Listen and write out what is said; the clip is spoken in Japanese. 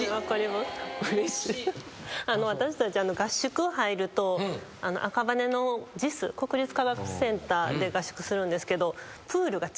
私たち合宿入ると赤羽のＪＩＳＳ国立科学センターで合宿するんですけど。